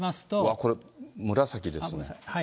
これ、紫ですね。